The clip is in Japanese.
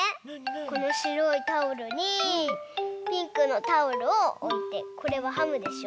このしろいタオルにピンクのタオルをおいてこれはハムでしょ！